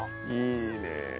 いいねえ。